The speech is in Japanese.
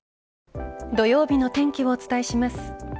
土曜日の天気をお伝えします。